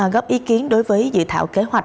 góp ý kiến đối với dự thảo kế hoạch